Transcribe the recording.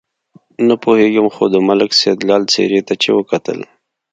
نه پوهېږم خو د ملک سیدلال څېرې ته چې وکتل.